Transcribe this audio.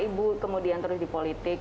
ibu kemudian terus di politik